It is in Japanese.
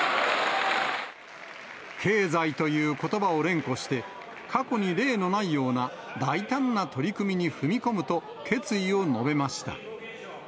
経済ということばを連呼して、過去に例のないような大胆な取り組みに踏み込むと決意を述べました。